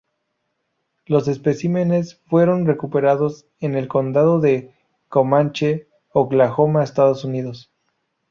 Los especímenes fueron recuperados en el condado de Comanche, Oklahoma, Estados Unidos.